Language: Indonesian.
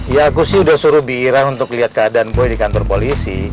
ya aku sih udah suruh biiran untuk liat keadaan boy di kantor polisi